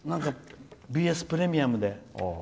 ＢＳプレミアムで。